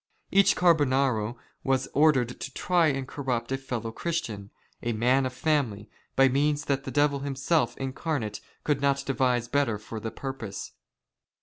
Each Carbonaro was moreover ordered to try and corrupt a fellow Christian, a man of family, by means that the devil himself incarnate could not devise better for the purpose.